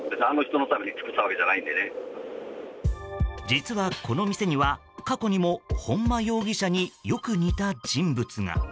実はこの店には過去にも本間容疑者によく似た人物が。